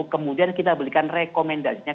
kemudian kita berikan rekomendasinya